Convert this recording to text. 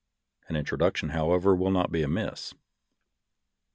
An introduction, however, will not be amiss.